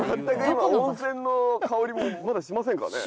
全く今温泉の香りもまだしませんからね。